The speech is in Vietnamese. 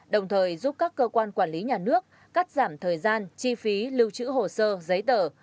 đồng thời giúp các cơ quan quản lý nhà nước cắt giảm thời gian chi phí lưu trữ hồ sơ giấy tờ